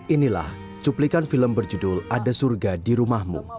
inilah cuplikan film berjudul ada surga di rumahmu